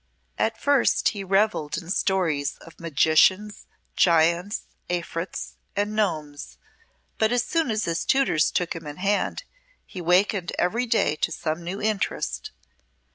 At first he revelled in stories of magicians, giants, afrits, and gnomes, but as soon as his tutors took him in hand he wakened every day to some new interest.